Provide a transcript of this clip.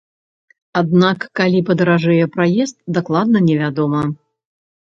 Аднак калі падаражэе праезд, дакладна невядома.